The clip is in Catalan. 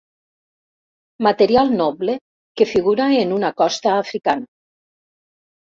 Material noble que figura en una Costa africana.